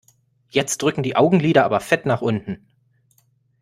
Jetzt drücken die Augenlider aber fett nach unten.